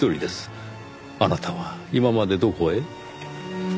あなたは今までどこへ？